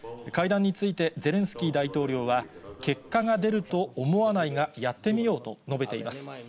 会談について、ゼレンスキー大統領は、結果が出ると思わないが、やってみようと述べています。